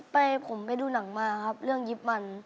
ไปผมไปดูหนังมาครับเรื่องยิบมัน